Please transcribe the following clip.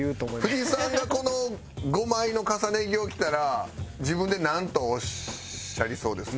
藤井さんがこの５枚の重ね着を着たら自分でなんとおっしゃりそうですか？